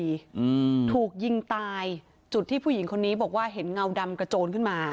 อืมถูกยิงตายจุดที่ผู้หญิงคนนี้บอกว่าเห็นเงาดำกระโจนขึ้นมา